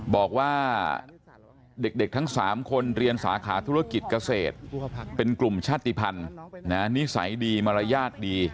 บอกว่าเด็กทั้ง๓คนเรียนสาขาธุรกิจเกษตรเป็นกลุ่มชาติภัณฑ์นิสัยดีมารยาทดี